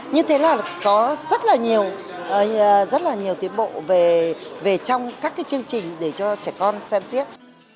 như thế là có rất là nhiều tiến bộ về trong các chương trình để cho trẻ con xem siếc